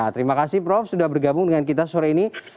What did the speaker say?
terima kasih prof sudah bergabung dengan kita sore ini